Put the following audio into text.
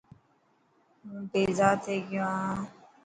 هون بيزار ٿي گيو هان.